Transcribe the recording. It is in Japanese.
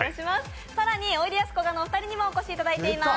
更においでやすこがのお二人にもお越しいただいています。